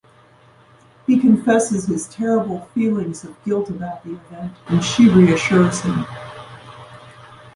He confesses his terrible feelings of guilt about the event, and she reassures him.